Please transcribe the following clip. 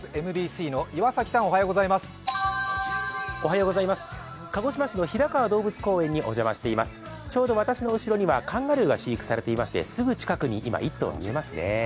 ちょうど私の後ろにはカンガルーが飼育されていまして、すぐ近くに今、１頭が見えますね。